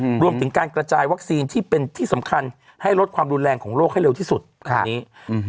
รวมถึงการกระจายวัคซีนที่เป็นที่สำคัญให้ลดความรุนแรงของโลกให้เร็วที่สุดคันนี้อืม